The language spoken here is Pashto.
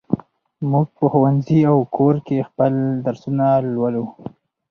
موږ په ښوونځي او کور کې خپل درسونه لولو.